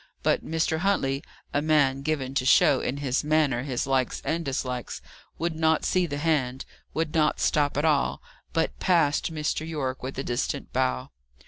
But Mr. Huntley a man given to show in his manner his likes and dislikes would not see the hand, would not stop at all, but passed Mr. Yorke with a distant bow.